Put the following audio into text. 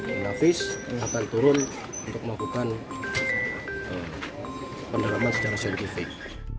dan nafis akan turun untuk melakukan peneraman secara saintifik